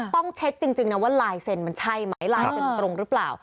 ต้องเช็คจริงนะว่าลายเซ็นต์มันใช่ไหมลายเซ็นตรงหรือเปล่า